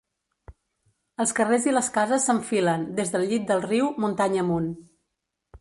Els carrers i les cases s'enfilen, des del llit del riu, muntanya amunt.